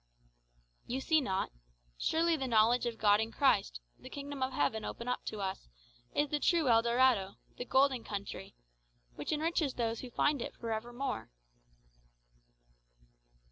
"You see not? Surely the knowledge of God in Christ, the kingdom of heaven opened up to us, is the true El Dorado, the golden country, which enriches those who find it for ever more."